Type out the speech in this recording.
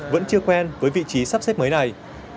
vẫn chưa quen với vị trí sắp xếp mới này